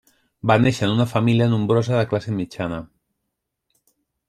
Va néixer en una família nombrosa de classe mitjana.